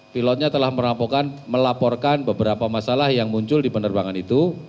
pilotnya telah melaporkan beberapa masalah yang muncul di penerbangan itu